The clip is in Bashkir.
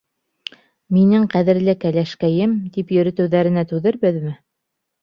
«Минең ҡәҙерле кәләшкәйем» тип йөрөтөүенә түҙербеҙме?